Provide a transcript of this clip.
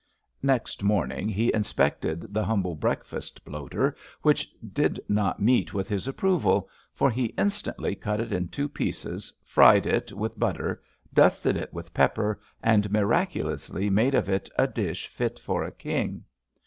Next morning he inspected the humble break fast bloater, which did not meet with his approval, for he instantly cut it in two pieces, fried it with butter, dusted it with pepper, and miraculously made of it a dish fit for a king.